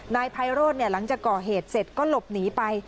นายไพโรธหลังจากก่อเหตุเสร็จก็หลบหนีไป